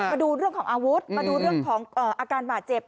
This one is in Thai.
มาดูเรื่องของอาวุธมาดูเรื่องของอาการบาดเจ็บ